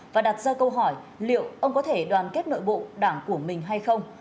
và đặt ra câu hỏi liệu ông có thể đoàn kết nội bộ đảng của mình hay không